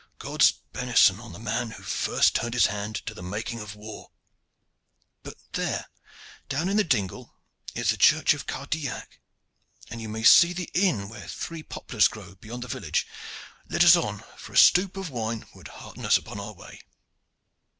God's benison on the man who first turned his hand to the making of war! But there, down in the dingle, is the church of Cardillac, and you may see the inn where three poplars grow beyond the village. Let us on, for a stoup of wine would hearten us upon our way."